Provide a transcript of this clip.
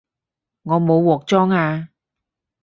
我冇鑊裝吖